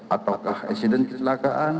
ataukah esiden kecelakaan